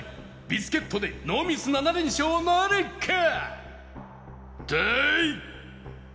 ビスケットでノーミス７連勝なるか！？